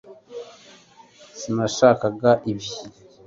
sinashakaga ibi